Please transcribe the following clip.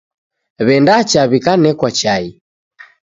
Wendacha wikanekwa chai